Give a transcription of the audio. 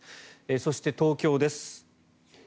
そして、東京です。